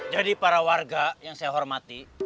jadi para warga yang saya hormati